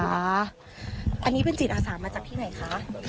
อันนี้เป็นจิตอาสามาจากที่ไหนคะ